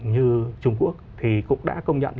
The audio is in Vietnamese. như trung quốc thì cũng đã công nhận